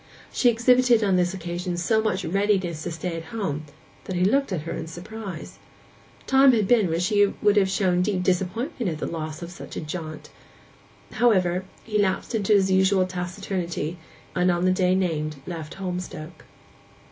She exhibited on this occasion so much readiness to stay at home that he looked at her in surprise. Time had been when she would have shown deep disappointment at the loss of such a jaunt. However, he lapsed into his usual taciturnity, and on the day named left Holmstoke.